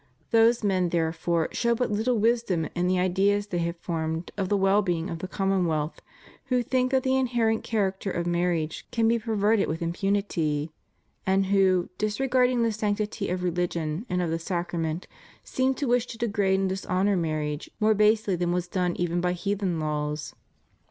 Those men therefore show but Uttle wisdom in the idea they have formed of the well being of the commonwealth who think that the inherent character of marriage can be perverted with inipunity; and who, disregarding the sanctity of religion and of the sacrament, seem to wish to degrade and dishonor mar riage more basely than was done even by heathen laws.